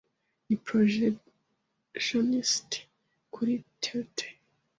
Ni projectionist kuri theatre.